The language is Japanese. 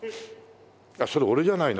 あっそれ俺じゃないな。